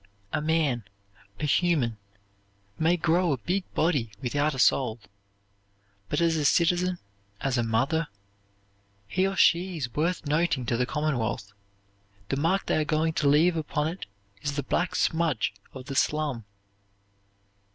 A man, a human, may grow a big body without a soul; but as a citizen, as a mother, he or she is worth nothing to the commonwealth. The mark they are going to leave upon it is the black smudge of the slum.